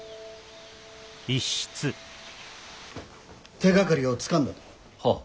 ・手がかりをつかんだと？はっ！